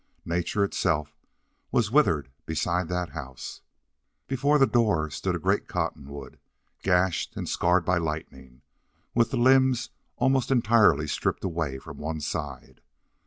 Nature itself was withered beside that house; before the door stood a great cottonwood, gashed and scarred by lightning, with the limbs almost entirely stripped away from one side.